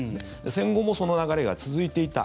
戦後もその流れが続いていた。